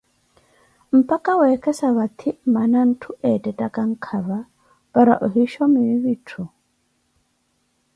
Mpaka weekesa vathi mmana ntthu eettettakha nkava, para ohinshomi vitthu.